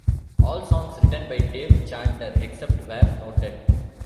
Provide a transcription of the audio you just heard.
All songs written by Dave Chandler, except where noted.